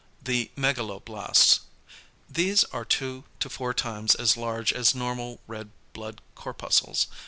=The megaloblasts.= These are 2 4 times as large as normal red blood corpuscles.